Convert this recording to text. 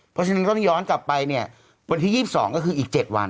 เพราะฉะนั้นต้องย้อนกลับไปเนี่ยวันที่๒๒ก็คืออีก๗วัน